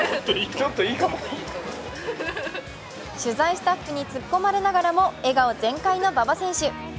取材スタッフに突っ込まれながらも笑顔全開の馬場選手。